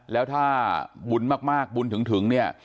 แล้วถ้าบุญมากบุญถึงเนี่ย